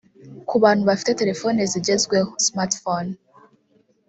Ku bantu bafite telefone zigezweho (smart phone)